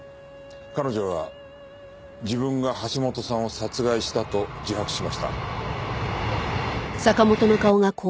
彼女は自分が橋本さんを殺害したと自白しました。